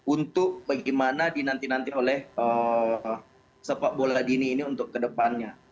untuk bagaimana dinanti nanti oleh sepak bola dini ini untuk kedepannya